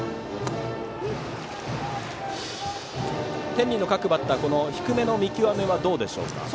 天理の各バッターは低めの見極めはどうですか。